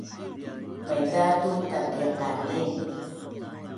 Maiza tu tatdiqanin